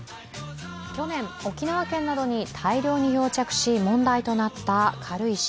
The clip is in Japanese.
去年、沖縄県などに大量に漂着し問題となった軽石。